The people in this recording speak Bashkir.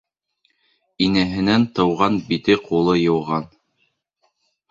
Инәһенән тыуған, бите-ҡулы йыуған.